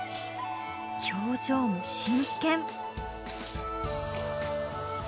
表情も真剣。